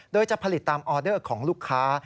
โดยจะผลิตตามออเดอร์ของลูกค้า